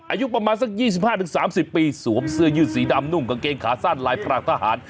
อายุประมาณสัก๒๕๓๐ปีสวมเสื้อยืดสีดำนุ่งกางเกงขาสั้นลายพรากทหาร